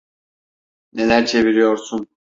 Neler çeviriyorsun?